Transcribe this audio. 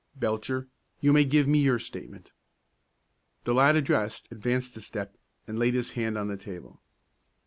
Belcher, you may give me your statement." The lad addressed advanced a step and laid his hand on the table.